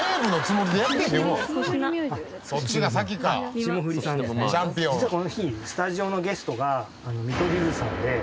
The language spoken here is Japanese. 実はこの日スタジオのゲストが見取り図さんで。